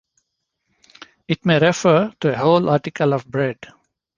It may refer to a whole article of bread.